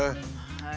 はい。